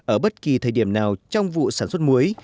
ở bất kỳ thời điểm nào trong vụ sản xuất muối